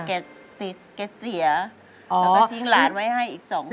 แกติดแกเสียแล้วก็ทิ้งหลานไว้ให้อีกสองคน